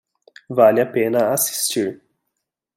Vale a pena assistir